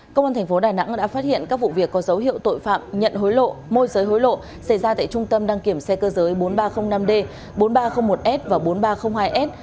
công an tp đà nẵng đã phát hiện các vụ việc có dấu hiệu tội phạm nhận hối lộ môi giới hối lộ xảy ra tại trung tâm đăng kiểm xe cơ giới bốn nghìn ba trăm linh năm d bốn nghìn ba trăm linh một s và bốn nghìn ba trăm linh hai s